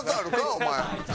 お前。